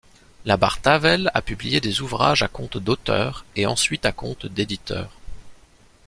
La Bartavelle a publié des ouvrages à compte d'auteur et ensuite à compte d’éditeur.